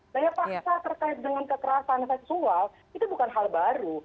daya paksa terkait dengan kekerasan seksual itu bukan hal baru